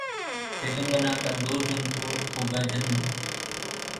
तेलंगाना का दो जून को होगा जन्म